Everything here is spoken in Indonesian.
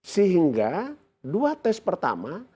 sehingga dua tes pertama